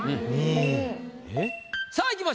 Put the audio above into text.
さあいきましょう。